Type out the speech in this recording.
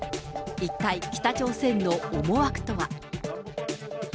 一体、北朝鮮の思惑とは。